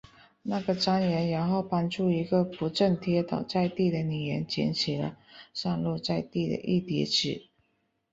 那个商人然后帮助一个不慎跌倒在地的女人捡起了散落在地的一叠纸。